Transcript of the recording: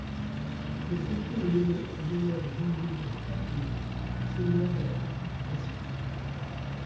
Le comté est nommé en l'honneur de Louis-Joseph Papineau, seigneur de La Petite-Nation.